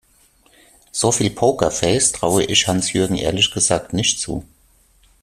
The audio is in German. So viel Pokerface traue ich Hans-Jürgen ehrlich gesagt nicht zu.